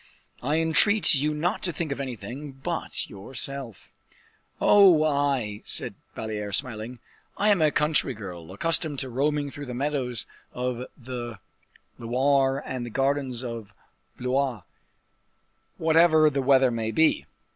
"I entreat you not to think of anything but yourself." "Oh! I," said La Valliere, smiling, "I am a country girl, accustomed to roaming through the meadows of the Loire and the gardens of Blois, whatever the weather may be.